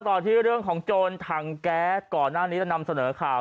ต่อที่เรื่องของโจรถังแก๊สก่อนหน้านี้เรานำเสนอข่าว